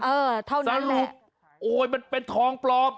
เออเท่านั้นแหละโอ้ยมันเป็นทองปลอม